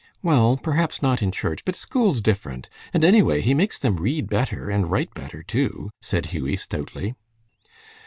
"Well, perhaps not in church, but school's different. And anyway, he makes them read better, and write better too," said Hughie, stoutly.